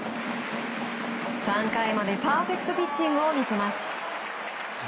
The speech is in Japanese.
３回までパーフェクトピッチングを見せます。